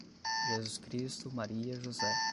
Jesus Cristo, Maria, José